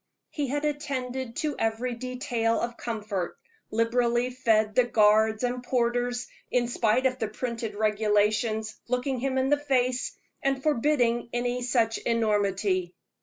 He had attended to every detail of comfort, liberally fed the guards and porters, in spite of the printed regulations looking him in the face and forbidding any such enormity.